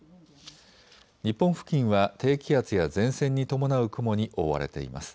日本付近は低気圧や前線に伴う雲に覆われています。